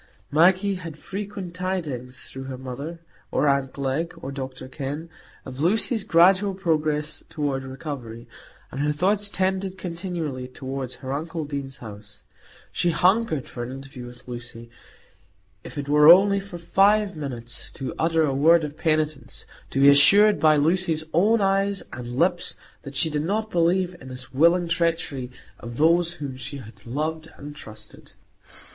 Maggie had frequent tidings through her mother, or aunt Glegg, or Dr Kenn, of Lucy's gradual progress toward recovery, and her thoughts tended continually toward her uncle Deane's house; she hungered for an interview with Lucy, if it were only for five minutes, to utter a word of penitence, to be assured by Lucy's own eyes and lips that she did not believe in the willing treachery of those whom she had loved and trusted.